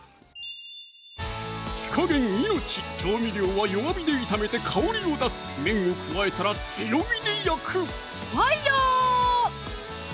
火加減命調味料は弱火で炒めて香りを出す麺を加えたら強火で焼くファイア！